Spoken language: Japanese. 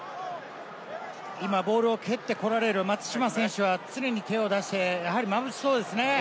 今ボールを蹴ってこられる松島選手は常に手を出して、まぶしそうですね。